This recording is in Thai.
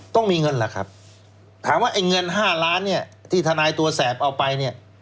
ต้องมีเงินล่ะครับถามว่าไอ้เงิน๕ล้านเนี่ยที่ทนายตัวแสบเอาไปเนี่ย